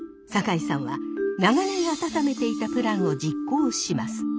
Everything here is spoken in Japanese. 酒井さんは長年温めていたプランを実行します。